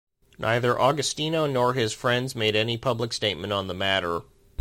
Neither Agostino nor his friends made any public statement on the matter.